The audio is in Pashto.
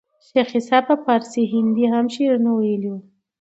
شېخ عیسي په پاړسي هندي هم شعرونه ویلي وو.